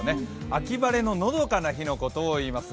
秋晴れののどかな日のことをいいます。